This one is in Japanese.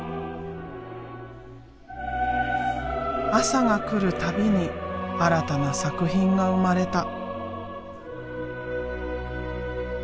朝が来る度に新たな作品が生まれた。